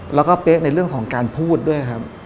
แล้วก็เป๊ะในเรื่องของการพูดด้วยครับ